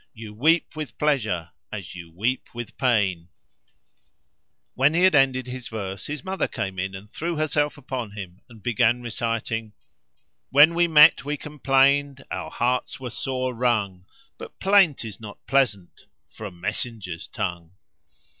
* You weep with pleasure as you weep with pain." [FN#482] When he had ended his verse his mother came in and threw herself upon him and began reciting:— "When we met we complained, * Our hearts were sore wrung: But plaint is not pleasant * Fro' messenger's tongue."